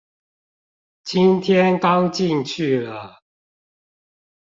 今天剛進去了